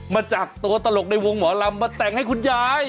มาจากตัวตลกในวงหมอลำมาแต่งให้คุณยาย